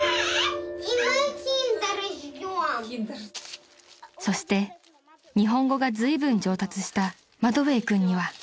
［そして日本語がずいぶん上達したマトヴェイ君には］